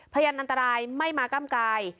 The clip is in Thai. พยานอันตรายไม่มาก้ำกาย